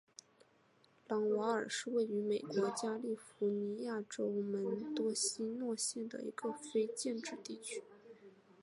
朗瓦尔是位于美国加利福尼亚州门多西诺县的一个非建制地区。